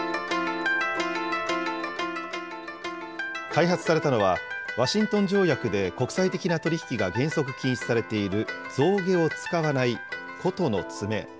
開発されたのは、ワシントン条約で国際的な取り引きが原則禁止されている象牙を使わない箏の爪。